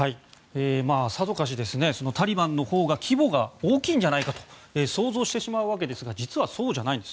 さぞかしタリバンのほうが規模が大きいんじゃないかと想像してしまうわけですが実はそうじゃないんです。